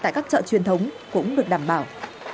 tại các chợ truyền thống cũng được đảm bảo